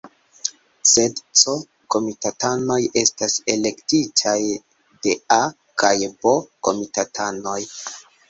Sed C-komitatanoj estas elektitaj de A- kaj B-komitatanoj.